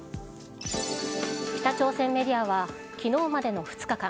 北朝鮮メディアは昨日までの２日間